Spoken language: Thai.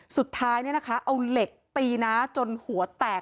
สุดท้ายเนี่ยนะคะเอาเหล็กตีน้าจนหัวแตก